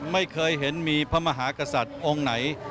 ไม่เคยเห็นมีพระมหากษัตริย์องค์ไหน